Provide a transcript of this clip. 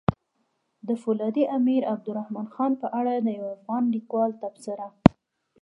د فولادي امير عبدالرحمن خان په اړه د يو افغان ليکوال تبصره!